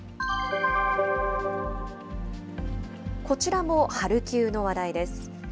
こちらもハルキウの話題です。